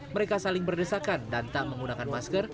mereka saling berdesakan dan tak menggunakan masker